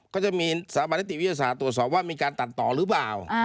ก็จะมีสถาบันนิติวิทยาศาสตร์ตรวจสอบว่ามีการตัดต่อหรือเปล่า